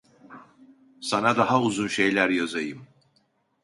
Sana daha uzun şeyler yazayım.